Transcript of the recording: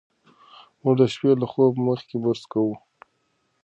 موږ د شپې له خوب مخکې برس کوو.